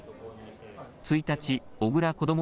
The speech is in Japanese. １日、小倉こども